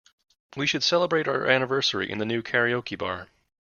We should celebrate our anniversary in the new karaoke bar.